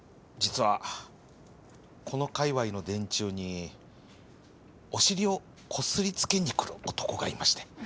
実はこの界わいの電柱にお尻をこすりつけにくる男がいまして。